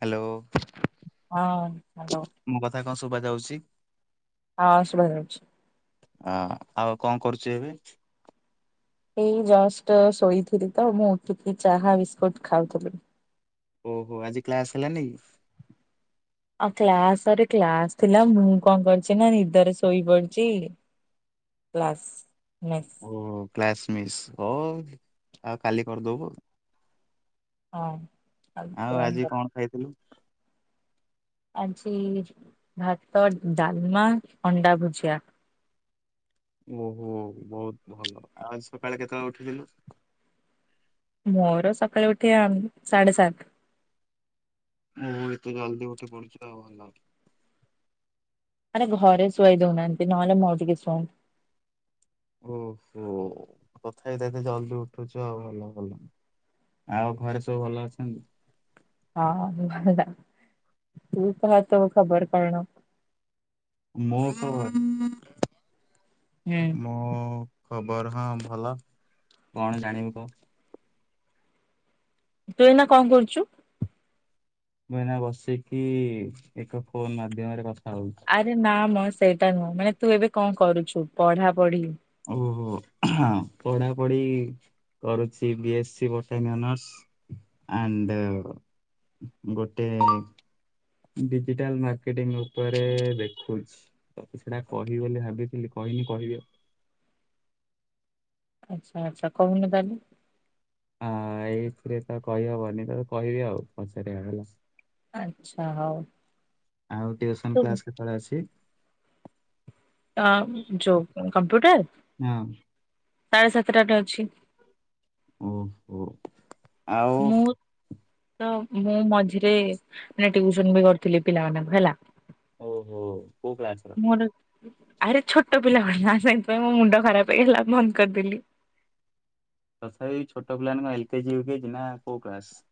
Hello. ହଁ hello. ମୋ କଥା କଣ ଶୁବା ଯାଉଚି? ହଁ ଶୁଭା ଯାଉଚି। ହଁ ଆଉ କଣ କରୁଚି ଏବେ? ଏଇ ଜଷ୍ଟ ଶୋଇଥିଲି ତ ମୁଁ ଟିକି ଚାହା ବିସ୍କୁଟ ଖାଉଥିଲି। ଓହୋ ଆଜି କ୍ଲାସ ହେଲା ନି କି? ଆଉ କ୍ଲାସରେ କ୍ଲାସ ଥିଲା ମୁଁ କଣ କରିଚି? ନା ନିଦରେ ଶୋଇ ପଡିଚି। Class miss. ଓ କ୍ଲାସ ମିସ୍ ହଉ ଆଉ କାଲି କରିଦବୁ ଆଉ। ହଁ। ଆଉ ସେଇଆ ହିଁ ଆଜି କରେ। କଣ ଖାଇଥିଲୁ? ଆଜି ଭାତ ଡାଲମା ଅଣ୍ଡା ଭୁଜିଆ। ଓହୋ ବହୁତ ଭଲ। ଆଉ ଆଜି ସକାଳେ କେତେବେଳେ ଉଠିଥିଲୁ? ମୋର ସକାଳେ ଉଠେବା ଆ ସାଢେ ସାତ। ମୁଁ ଏତେ ଜଲଦି ଉଠି [unintelligible] ଆରେ ଘରେ ଶୁଆଇ ଦଉନାହାନ୍ତି ନହେଲେ ମୋର ଟିକେ ଶୁଅନ୍ତୁ ଓହୋ କଥା ତଥାପି ତ ଏତେ ଜଲ୍ଦି ଉଠୁଚ ଆଉ ଭଲ ଭଲ। ଆଉ ଘରେ ସବୁ ଭଲ ଅଛନ୍ତି? ହଁ ଭଲ ତୁ କହ ତୋ ଖବର କଣ? ମୋ ଖବର ହୁଁ। ମୁଁ ଖବର ହଁ ଭଲ କଣ ଜାଣିବୁ କହ? ତୁ ଏଇନା କଣ କରୁଚୁ। ମୁଁ ଏଇନା ବସିକି ଏକ ଫୋନ ମାଧ୍ୟମରେ କଥା ହଉଚି। ଆରେ ନା ମ ସେଇଟା ନୁହଁ। ମାନେ ତୁ ଏବେ କଣ କରୁଚୁ ପଢା ପଢି? ଓହୋ ପଢ଼ାପଢ଼ି କରୁଚି B S C botany honours. And ଗୋଟେ। ଡିଜିଟାଲ ମାର୍କେଟିଂ ଉପରେ ଦେଖୁଛି। ତତେ ସେଟା କହିବି ବୋଲି ଭାବିଥିଲି କହିନି କହିବି ଆଉ। ଆଚ୍ଛା ଆଚ୍ଛା କହୁନି ତାହାଲେ। ଆ ଏଇଥିରେ ତ କହିହବନି ତ କହିବି ଆଉ ପଛ ରେ ହେଲା। ଆଚ୍ଛା ହଉ। ଆଉ ଟିୟୁସନ ତୁ କ୍ଲାସ କେତେବେଳେ ଅଛି? ଆମ ଯଉ କମ୍ପ୍ୟୁଟର। ହଁ। ସାଢେ ସାତଟା ଟେ ଅଛି। ଓହୋ। ଆଉ ମୁଁ ତ ମୁଁ ମଝିରେ ମାନେ ଟ୍ୟୁଉସନ ବି କରିଥିଲି ପିଲାମାନଙ୍କୁ ହେଲା। ଓହୋ କଉ କ୍ଲାସ ର? ମୋର ଆରେ ଛୋଟ ପିଲା ଗୁଡା ସେଥିପାଇଁ ମୋ ମୁଣ୍ଡ ଖରାପ ହେଇଗଲା ବନ୍ଦ କରିଦେଲି। ତଥାପି ଛୋଟ ପିଲାମାନେ କଣ ଏଲ କେଜି ୟୁ କେଜି ନା କୋଉ କ୍ଲାସ?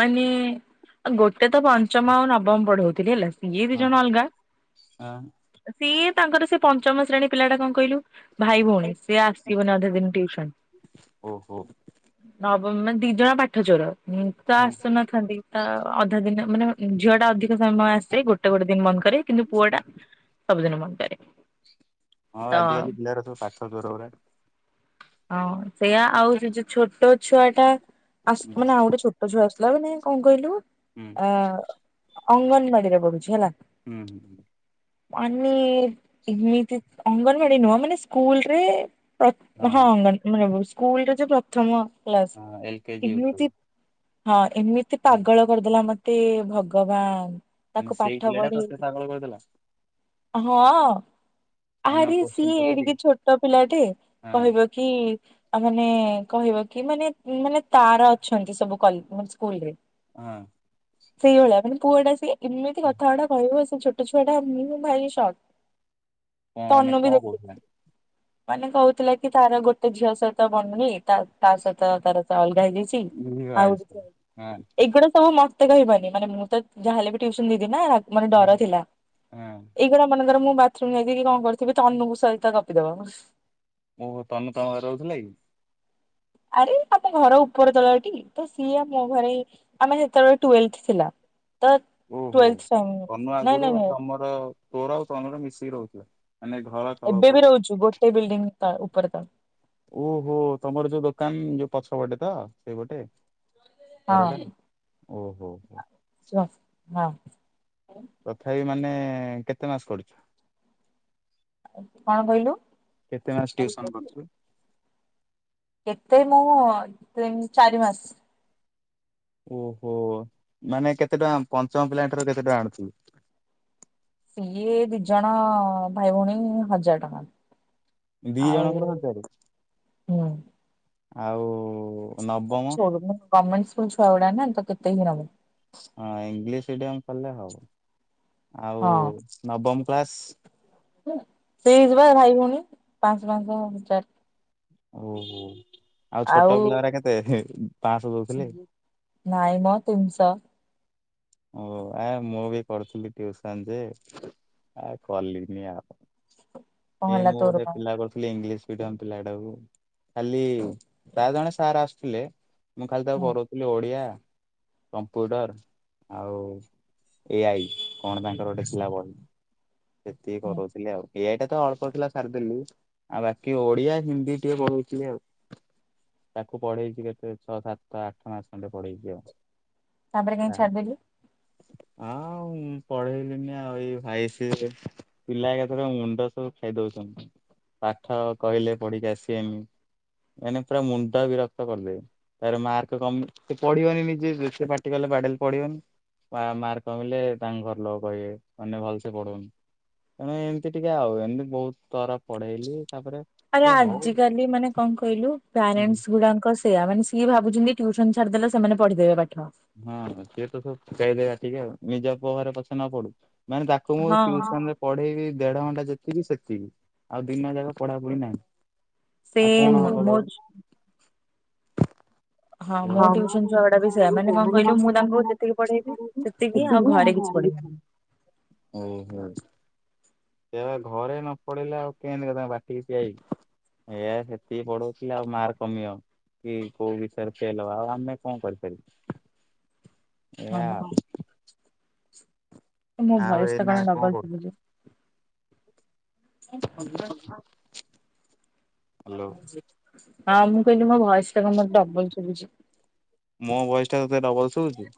ମାନେ ଗୋଟେ ତ ପଞ୍ଚମ ଆଉ ନବମ ପଢଉଥିଲି ହେଲା। ସିଏ ଦି ହଁ ଜଣ ଅଲଗା ହଁ, ସିଏ ତାଙ୍କର ସେ ପଞ୍ଚମ ଶ୍ରେଣୀ ପିଲା ଟା କଣ କହିଲୁ? ଭାଇ ଭଉଣୀ ସେ ଆସିବନି ଅଧେ ଦିନ ଟିଉସନ୍। ଓହୋ ନବମ ମାନେ ଦି ଜଣ ପାଠଚୋର ନିନ୍ତ ଆସୁନ ଛନ୍ତି ତ ଅଧା ଦିନ ମାନେ ଝିଅଟା ଅଧିକ ସମୟ ଆସେ ଗୋଟେ ଗୋଟେ ଦିନ ବନ୍ଦ କରେ କିନ୍ତୁ ପୁଅଟା ସବୁଦିନ ବନ୍ଦ କରେ। ହଁ ତ ଆଜିିକାଲି ପିଲାରା ସବୁ ପାଠ ଚୋର ଉରା। ହଁ ସେଇୟା ଆଉ ଯୋଉ ଯୋଉ ଛୋଟ ଛୁଆଟା ଆସ୍ ମାନେ ଆଉ ଗୋଟେ ଛୋ ଟ ଛୁଆ ଆସିଲା ମାନେ କଣ କହିଲୁ, ହୁଁ ଆ ଅଙ୍ଗନବାଡିରେ ପଢୁଛି ହେଲା। ହୁଁ ମାନେ ଏମିତି ଅଙ୍ଗନବାଡି ନୁହଁ ମାନେ ସ୍କୁଲରେ ପ୍ର ହଁ [unintelligible] ସ୍କୁଲରେ ଯୋଉ ପ୍ରଥମ କ୍ଲାସ, ହଁ ଏଲ କେଜି ୟୁକେଜି [unintelligible] ହଁ ଏମିତି ହଁ ପାଗଳ କରିଦେଲା ମତେ ଭଗବାନ! ମାନେ ତାକୁ ସେଇ ପାଠ ପିଲାଟା ପଢେଇ ତତେ ପାଗଳ କରିଦେଲା। ହଁ, ମାନେ ଆଉ ଆରି କୋଶ୍ଚିନ୍ ସିଏ ପଚାରିକି ଏଡ଼ିକି ଛୋଟ ପିଲାଟେ ହଁ କହିବ କି? ଆ ମାନେ କହିବ କି ମାନେ ମାନେ ତାର ଅଛନ୍ତି ସବୁ କଲେ ମାନେ ସ୍କୁଲରେ। ହଁ। ସେଇଭଳିଆ ମାନେ ପୁଅଟା ସିଏ ଏମିତି ହଁ କଥାଉଡ଼ା କହିବ ସେ ଛୋ ଛୋଟ ଛୁଆଟା ମୁଁ ଭାରି ସକ୍ କଣ ତ ମାନେ ଅନ୍ନ କଣ ବି କହୁଥିଲା ଦେଖିଛି। ମାନେ କହୁଥିଲା କି ତାର ଗୋଟେ ଝିଅ ସହିତ ବନୁନି ତାର ତା ସହିତ ତାର ତା ଅଲଗା ହେଇଯାଇଛି। ଟି ଇଏ ଆଉ ଆଇସ ହଁ ଏଗୁଡା ସବୁ ମ ତେ କହିବନି ମାନେ ମୁଁ ତ ଯାହାହେଲେ ବି ଟିୟୁସନ ଦିଦି ନା ମାନେ ହଁ ଡର ଥିଲା, ହଁ ଏ ଯୋଉଟା ମନେଙ୍କର ମୁଁ ବାଥରୁମ୍ ଯାଇଥିବି କି କଣ କରୁଥିବି ତନୁ ସହିତ ଗପିଦବ। ଓହୋ ତନୁ ତମ ଘରେ ରହୁଥିଲା କି? ଆରେ ଆମେ ଘର ଉପର ତଳଟି ତ ସିଏ ଆମୋ ଘରେ ଆମେ ସେତେବେଳେ ଟ୍ୱଲ୍ଥ ଥିଲା ତ ଟ୍ୱଲ୍ଥ ସଙ୍ଗେ, ନାଇଁ ନାଇଁ ନାଇଁ। ହଁ ତୋର ଆଉ ତନୁର ମିଶିକି ରହୁଥିଲ। ମାନେ ଘର ତଳ ଏବେ ବି ଉପର ରହୁଛୁ ଗୋଟେ ବିଲ୍ଡିଂ ତଳେ ଉପର ତଳ। ଓହୋ ତମର ଯୋଉ ଦୋକାନ ଯୋଉ ପଛ ପଟେ ତ ସେଇ ପଟେ। ହଁ ଘରଟା ଓହୋ ହୋ। [inaudible] ତଥାପି ମାନେ କେତେ ମାସ କରିଛୁ? କଣ କହିଲୁ? କେତେ ମାସ ଟିୟୁସନ କରିଛୁ? କେତେ ମୁଁ ତିନି ଚାରି ମାସ। ଓହୋ, ମାନେ କେତେ ଟଙ୍କା ପଞ୍ଚମ ପିଲାଙ୍କଠାରୁ କେତେ ଟଙ୍କା ଆଣୁଥିଲୁ? ସିଏ ଦି ଜଣ ଭାଇ ଭଉଣୀ ହଜାର ଟଙ୍କା। ଦି ଜଣଙ୍କର ଆଉ ହଜାରେ ହୁଁ। ଆଉ ଆ ନବମ ଛୋଡୁନୁ ଗମେଣ୍ଟ ସ୍କୁଲ ଛୁଆ ଗୁଡା ନା ତ କେତେ ହିଁ ନବୁ। ହଁ ଇଂଲିଶ ମିଡିୟମ କଲେ ହବ, ଆଉ ହଁ ନବମ କ୍ଲାସ? ସେଇତି ବା ଭାଇ ଭଉଣୀ ପାଁଶହ ପାଁଶହ ହଜାର। ଓହୋ, ଆଉ ଛୋଟ ପିଲାରା କେତେ ପାଁଶହ ଦଉଥିଲେ? ନାଇଁ ମ ତିନିଶ। ଓ ଆ ମୁଁ ବି କରୁଥିଲି ଟିଉସନ ଯେ ଆ କଲିିନି ଆଉ କଣ ଏ ହେଲା ମୁଁ ତୋର ଗୋଟେ କଣ ପିଲା କରିୁଥିଲି ଇଂଲିଶ [unintelligible] ପିଲା ଟାକୁ ଖାଲି ପ୍ରାୟ ଜଣେ ସାର୍ ଆସୁଥିଲେ ମୁଁ ଖାଲି ତାକୁ ହୁଁ କରଉଥିଲି ଓଡିଆ କମ୍ପ୍ୟୁଟର ଆଉ ଏଆଇ କଣ ତାଙ୍କର ଗୋଟେ ଥିଲା ବହି। ସେତିକି ହୁଁ କରଉଥିଲି ଆଉ। ଏଇଆଟା ତ ଅଳ୍ପ ଥିଲା ସାରିଦେଲି ଆଉ ବାକି ଓଡିଆ ହିନ୍ଦୀ ଟିକେ ପଢ଼ଉଥିଲି ଆଉ। ତାକୁ ପଢେଇଛି କେତେ ଛଅ ସାତ ଆଠ ମାସ ଖଣ୍ଡେ ପଢେଇଛି ଆଉ। ତା ପରେ କାଇଁ ଛାଡ଼ିଦେଲୁ? ଆଁ ଉଁ ପଢେଇଲିଣିି ଆଉ ଏଇ ଭାଇ ସ ପିଲା ଏକାଥର ମୁଣ୍ଡ ସବୁ ଖାଇ ଦଉଛନ୍ତି ପାଠ କହିଲେ ପଢିକି ଆସିବେନି ମାନେ ପୁରା ମୁଣ୍ଡ ବିରକ୍ତ କରିଦେବେ। ତାର ମାର୍କ କମି- ସେ ପଢିବନି ନିଜେ ଯେତେ ପାଟି କଲେ ବାଡେଲେ ପଢିବନି। ବା ମାର୍କ କମିଲେ ତାଙ୍କ ଘର ଲୋକ କହିବେ ମାନେ ଭଲସେ ପଢଉନି। ତେଣୁ ଏମିତି ଟିକେ ଆଉ ଏମିତି ବହୁତ ତର ପଢେଇଲି ତାପରେ ଆରେ କହିଲେ ହଉ ଆଜିକାଲି ମାନେ କଣ କହିଲୁ ହୁଁ ପ୍ୟାରେଣ୍ଟସ୍ ଗୁଡାଙ୍କ ସ ସେଇଆ ମାନେ ସିଏ ଭାବୁଛନ୍ତି ଟ୍ୟୁସନ ଛାଡିଦେଲେ ସେମାନେ ପଢିଦେବେ ପାଠ। ହଁ ସିଏ ତ ସବଚାଇଦେବା ଟିକେ ଆଉ ନିଜ ଘରେ ପଛେ ନ ପଡୁ। ମାନେ ତାକୁ ମୁଁ ହଁ ଟିଉସନରେ ପଢେଇବି ଦେଢ ଘଣ୍ଟା ଯେତିକି ସେତିକି ଆଉ ଦିନ ଯାକ ପଢା ପଢି ନାହିଁ। ଆଉ ସେମ୍ କଣ ହବ ମୋ କହିଲୁ? ମୋ ହଁ ବା ଟ୍ୟୁସନ ଛୁଆ ଗୁଡା ବି ସେୟା ମାନେ କଣ କହିଲୁ ମୁଁ ତାଙ୍କୁ ଯେତିକି ପଢେଇବି ସେତିକି ଆଉ ଘରେ କିଛି ପଢିବିନି [unintelligible] [unintelligible] ସେ ଘରେ ନ ପଡିଲେ ଆଉ କେନ୍ତି କେ ବାଟିକି ପିଆଇବି। ଏ ଆ ସେତିକି ପଢଉଥିଲି ଆଉ ମାର୍କ କମିବ। କି କୋଉ ବିଷୟ ରେ ଫେଲ୍ ହବ ଆଉ ଆମେ କଣ କରିପାରବୁ ହଁ ବା ଏୟା। ମୋ ଆଉ ଭୟସ ଟା ଏଇନା କଣ ଡବଲ କରୁ ଶୁଭୁଚି। [inaudible] [inaudible] ହ୍ୟାଲୋ। ହଁ ମୁଁ କହିଲି ମୋ ଭୟସ ଟା କଁ ମ ଡବଲ୍ ଶୁଭୁଚି। ମୋ ଭୟସ ଟା ତତେ ଡବଲ୍ ସୁଭୁଚି?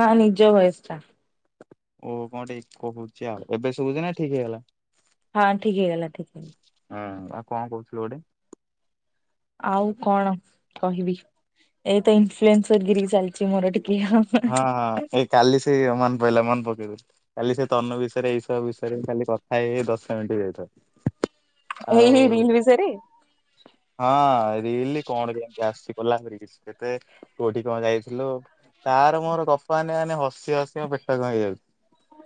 ନା ନିଜ ଭୟେସ୍ ଟା। ଓ କଣ ଟିକେ ଇକୋ କହୁଛି ଆଉ ଏବେ ଶୁଭୁଛି ନା ଠିକ୍ ହେଇଗଲା? ହଁ ଠିକ୍ ହେଇଗଲା ଠିକ ହଁ ଆଉ କଣ କହୁଥିଲୁ ଗୋଟେ? ଆଉ କଣ କହିବି ଏତ ଇନଫ୍ଲୁଏନ୍ସର ଗିରିି ଚାଲିଚି ମୋର ଟିକେ ଆଉ। ହଁ ହଁ ଏଇ କାଲି ସେ ମନ ପଇଲା ମନ ପକେଇଦେଲୁ। ଖାଲି ସେ ତନୁ ବିଷୟରେ ଏଇସବୁ ବିଷୟରେ ଖାଲି କଥା ହେଇ ଦଶ ମିନିଟ [unintelligible] ଏଇ ରିଲ୍ ବିଷୟରେ? ହଁ ରିଲି କଣ କେମିତି ଆସୁଚି କୋଲାବ୍ କରିବି କେତେ କୋଉଠି କଣ ଯାଇଥିଲୁ ତାର ମୋର ଗପ ମାନେ ମାନେ ହସି ହସି ମୋ ପେଟ କଁ ହେଇ ଯାଉଚି।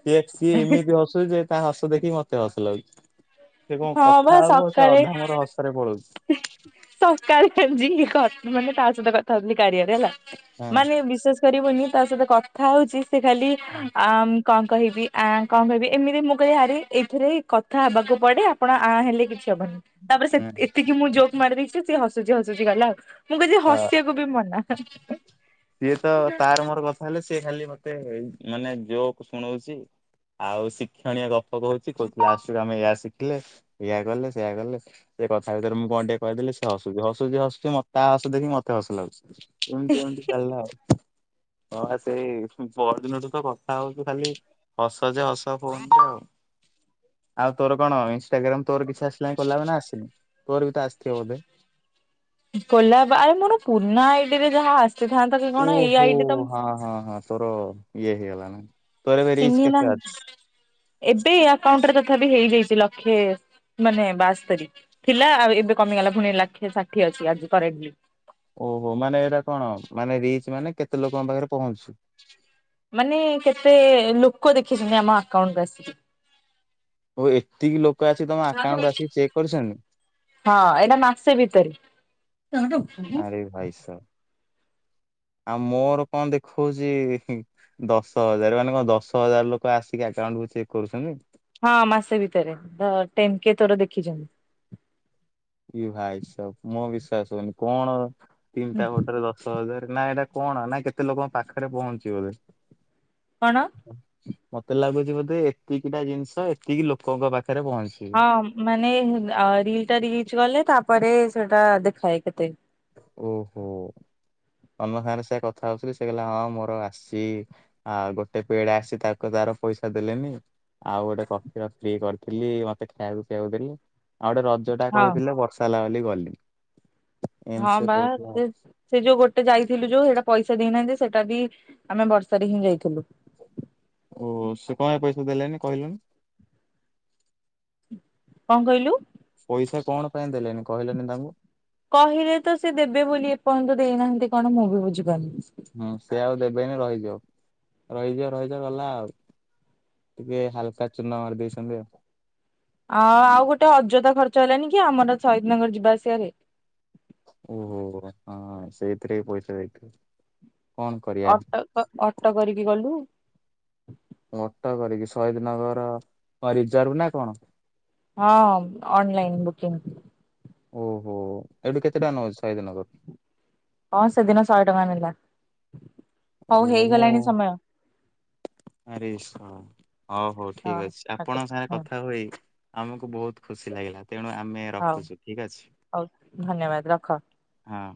ସିଏ ସିଏ ଏମିତି ହସୁଚି ଯେ ତା ହସ ଦେଖିକି ମତେ ହସ ଲାଗୁଚି। ସେ କଣ ହଁ ବା କଥା ହବ ସେ ସକାଳେ ଅଧା ଆମର ମର ହସ ରେ ପଳଉଚି। [unintelligible] ତା ସହିତ କଥା ହଉଥିଲି କାରିଆରେ ହେଲା। ହଁ ମାନେ ବିଶେଷ କରିବୁନି, ତା ସହିତ କଥା ହଉଚି ସେ ଖାଲି ଆ କଣ କହିବି ଆ କଣ କହିବି ଏମିତି ମୁଁ କହିଲି ଆାରେ ଏଇଥିରେ କଥା ହେବାକୁ ପଡେ ଆପଣ ଆ ହେଲେ କିଛି ହବନି। ତାପରେ ସେ ସେତିକି ମୁଁ ଜୋକ ମାରି ଦେଇଛି, ସିଏ ହସୁଛି ହସୁଛି ଗଲା, ଆଉ ମୁଁ କିଛି ହଁ ହସିବାକୁ ବି ମନା। ସିଏ ତ ତାର ମୋର କଥା ହେଲେ ସିଏ ଖାଲି ମତେ ମାନେ ଜୋକ୍ ଶୁଣଉଛି। ଆଉ ଶିକ୍ଷଣୀୟ ଗପ କହୁଛି କହୁଥିଲି ଆସୁ ଆମେ ଏଇଆ ଶିଖିଲେ। ଏଇଆ କଲେ ସେଇଆ କଲେ, ସେ କଥା ଭିତରେ ମୁଁ କଣ ଟିକେ କହିଦେଲି, ସେ ହସୁଛି ହସୁଛି ହସୁଛି ମତେ ତା ହସ ଦେଖିକି ମତେ ହସ ଲାଗୁଚି ଏମିତି ଏମିତି ଚାଲିଲା ଆଉ। ହଁ ସେଇ ପରଦିନଠୁ ତ କଥା ହଉଛି ଖାଲି ହସ ଯେ ହସ, ଫୋନ୍ ରେ ଆଉ ଆଉ ତୋର କଣ ଇନଷ୍ଟାଗ୍ରାମ, ତୋର କି ଆସିଲା କଲାବେ ନା ଆସିନି? ତୋର ବି ଆସିିଥିବ ବୋଧେ। କୋଲା, ଆରେ ମୋ ପୁରୁନା ଆଇଡିରେ ଯାହା ଆସ ସିଦ୍ଧାନ୍ତ [unintelligible] ଓହୋ, ହଁ ହଁ ହଁ! ତୋର ଇଏ ହେଇଗଲା ନା? ତୋର ଏବେ ଚିହ୍ନି ରିଚ ନା କେତେ ଅଛି? ଏବେ ଆକାଉଣ୍ଟ ରେ ତଥାପି ହେଇଯାଇଛି ଲକ୍ଷେ। ମାନେ ବାସ୍ତରୀ ଥିଲା, ଆଉ ଏବେ କମିଗଲା ପୁଣି ଲକ୍ଷେ ଷାଠିଏ ଅଛି। ଆଜି କରେଣ୍ଟ ଲି ଓହୋ, ମାନେ ଏଇଟା କଣ? ମାନେ ରିଚ ମାନେ କେତେ ଲୋକଙ୍କ ପାଖରେ ପହଞ୍ଚୁଛି। ମାନେ, କେତେ ଲୋକ ଦେଖିଛନ୍ତି ଆମ ଆକାଉଣ୍ଟକୁ ଆସିକି। ଓଉ, ଏତିକି ଲୋକ ଆସିଛି ତମ ଆକାଉଣ୍ଟକୁ ଆସିକି ଚେକ୍ କରିଛନ୍ତି। ହଁ, ଏଇଟା ମାସେ ଭିତରେ। ଆରେ ଭାଇସ, ଆଉ ମୋର କଣ ଦେଖଉଛି? ଦଶ ହଜାର ମାନେ କଣ? ଦଶ ହଜାର ଲୋକ ଆସିକି ଆକାଉଣ୍ଟକୁ ଚେକ୍ କରୁଛନ୍ତ? ହଁ, ମାସେ ଭିତରେ ଟେନ କେ ତୋର ଦେଖିଛନ୍ତି। ଇଏ ଭାଇସ, ମୋ ବିଶ୍ଵାସ ହଉନି! କଣ, ତିନିଟା ଗୋଟରେ ଦଶ ହଜାର ନା? ଏଇଟା କଣ ନା? କେତେ ଲୋକଙ୍କ ପାଖରେ ପହଞ୍ଚିବ ଏବେ? କଣ? ମତେ ଲାଗୁଛି, ବୋଧେ ଏତିକି ଟା ଜିନିଷ ଏତିକି ଲୋକଙ୍କ ପାଖରେ ପହଞ୍ଚି। ହଁ, ମାନେ ରିଲ ଟା ରିଚ ଗଲେ, ତାପରେ ସେଟା ଦେଖାଏ କେତେ? ଓହୋ, ଅନ୍ଥାନରେ ସେ କଥା ହଉଥିଲି, ସେ କହିଲା ହଁ ମୋର ଆସିଚି। ଆଉ ଗୋଟେ ପେଡ ଆସି, ତାକୁ ତାର ପଇସା ଦେଲେନି। ଆଉ ଗୋଟେ [inaudible] କରିଥିଲି, ମତେ ଖାଇଆବାକୁ ପିଇବାକୁ ଦେଲେ। ଆଉ ଗୋଟେ ରଜ ଟା ହଁ। କହିଥିଲେ, ବର୍ଷା ହେଲା ବୋଲି ଗଲି। ହଁ, ବା। ସେ ଯୋଉ ଗୋଟେ ଯାଇଥିଲୁ ଯୋଉ, ସେଇଟା ପଇସା ଦେଇନାହାଁନ୍ତି, ସେଇଟା ବି ଆମେ ବର୍ଷାରେ ହିଁ ଯାଇଥିଲୁ। ଓ, ସେ କଣ ପାଇଁ ପଇସା ଦେଲେଣିି କହିଲୁନି? କଣ କହିଲୁ? ପଇସା କଣ ପାଇଁ ଦେଲେଣିି, କହିଲେନି ତାଙ୍କୁ? କହିଲେ ତ ସେ ଦେବେ ବୋଲି, ଏପର୍ଯ୍ୟନ୍ତ ଦେଇନାହାନ୍ତି କଣ ମୁଁ ବି ବୁଝିପାରୁନି? ହୁଁ, ସେ ଆଉ ଦେବେନି ରହିଯିବ ରହିଯିବ ରହିଯିବ ଗଲା ଆଉ। ଟିକେ ହାଲକା ଚୁନ ମାରି ଦେଇଛନ୍ତି ଆଉ। ଆ ଆଉ ଗୋଟେ ଅଯଥା ଖର୍ଚ୍ଚ ହେଲଣିି କି, ଆମର ଶହୀଦନଗର ଯିବା ଆସିବାରେ। ଓହୋ, ହଁ, ସେଇଥିରେ ପଇସା ଯାଇଥିବ। ଅଟ ତ ଅଟ କରିକି ଗଲୁ। ଅଟୋ କରିକି, ସହିଦନଗର ରିଜର୍ଭ ନା କଣ? ହଁ ଅନଲାଇନ୍ ବୁକିଂ। ଓହୋ ଏଠୁ କେତେ ଟଆଁ ନବ ସହିଦନଗର? ହଁ ସେଦିନ ଶହେ ଟଙ୍କା ନେଲା। ହଉ ଓ ମୁଁ ହେଇଗଲାଣି ସମୟ। ଆରେ ଶଳା ହଉ ହଉ ଠିକ୍ ଅଛି ଆପଣଙ୍କ ରଖୁଛି ସାଙ୍ଗେରେ ହଁ କଥାହୋଇ ଆମକୁ ବହୁତ୍ ଖୁସି ଲାଗିଲା ତେଣୁ ଆମେ ହଉ ରଖୁଚୁ ଠିକ ଅଛି। ହଉ ଧନ୍ୟବାଦ ରଖ। ହଁ।